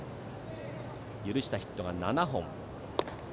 許したヒットが７本。